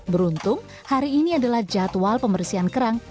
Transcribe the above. beruntung hari ini adalah jadwal pembersihan kerang